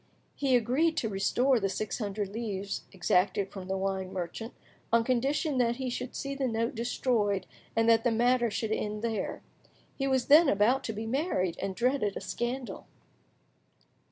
He agreed to restore the six hundred livres exacted from the wine merchant, on condition that he should see the note destroyed and that the matter should end there. He was then about to be married, and dreaded a scandal.